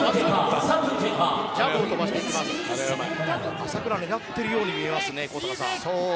朝倉、狙っているように見えます高阪さん。